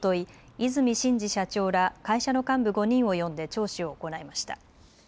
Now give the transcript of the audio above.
和泉伸二社長ら会社の幹部５人を呼んで聴取を行いました。